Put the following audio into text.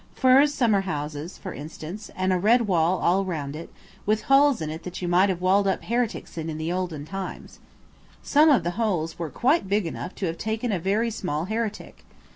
Furze summer houses, for instance, and a red wall all round it, with holes in it that you might have walled heretics up in in the olden times. Some of the holes were quite big enough to have taken a very small heretic.